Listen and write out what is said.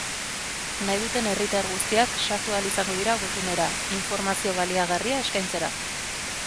Nahi duten herritar guztiak sartu ahal izango dira webgunera, informazio baliagarria eskaintzera.